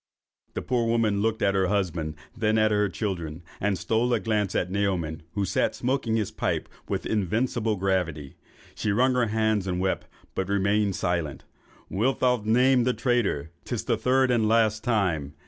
The poor mother looked at her husband, and then at her children, and stole a glance at Naoman, who sat smoking his pipe with invincible gravity. She wrung her hands and wept, but remained silent. 'Wilt thou name the traitor? 'Tis the third and last time.